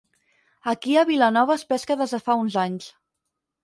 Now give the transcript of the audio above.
Aquí a Vilanova es pesca des de fa uns anys.